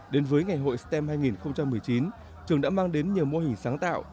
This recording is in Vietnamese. đến với ngày hội stem hai nghìn một mươi chín trường đã mang đến nhiều mô hình sáng tạo